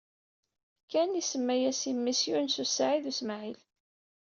Ken isemma-as i memmi-s Yunes u Saɛid u Smaɛil.